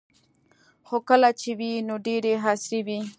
خو کله چې وې نو ډیرې عصري وې